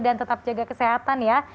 dan tetap jaga kesehatan ya